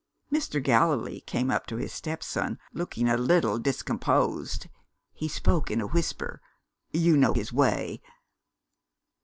Mr. Gallilee came up to his stepson, looking a little discomposed. He spoke in a whisper you know his way?